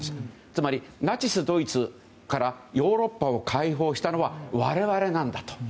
つまりナチスドイツからヨーロッパを解放したのは我々なんだと。